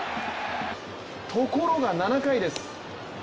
ところが７回です。